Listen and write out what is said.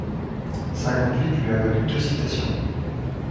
Sa conduite lui a valu deux citations.